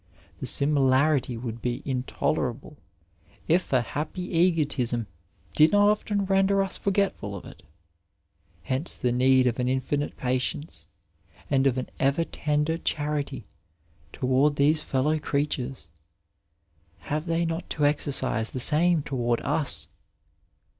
The simi larity would be intolerable, if a happy egotism did not often render us forgetful of it. Hence the need of an infinite patience and of an ever tender charity toward these fellow creatures ; have they not to exercise the same toward us